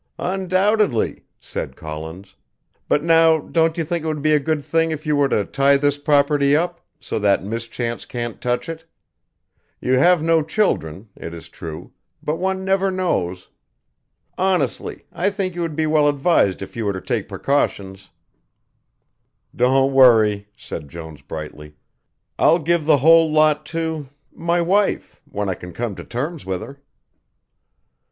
"Undoubtedly," said Collins, "but, now, don't you think it would be a good thing if you were to tie this property up, so that mischance can't touch it. You have no children, it is true, but one never knows. Honestly, I think you would be well advised if you were to take precautions." "Don't worry," said Jones brightly. "I'll give the whole lot to my wife when I can come to terms with her."